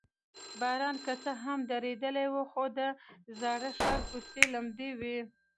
باران که څه هم درېدلی و، خو د زاړه ښار کوڅې لمدې وې.